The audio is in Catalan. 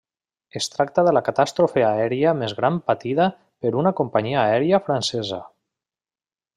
Es tracta de la catàstrofe aèria més gran patida per una companyia aèria francesa.